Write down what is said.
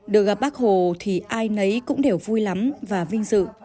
được gặp bác hồ thì ai nấy cũng đều vui lắm và vinh dự